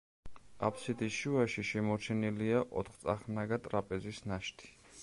აფსიდის შუაში შემორჩენილია ოთხწახნაგა ტრაპეზის ნაშთი.